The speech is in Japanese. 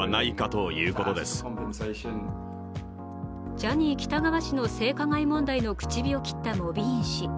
ジャニー喜多川氏の性加害問題の口火を切ったモビーン氏。